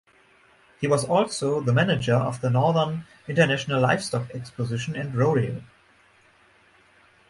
He was also the manager of the Northern International Livestock Exposition and Rodeo.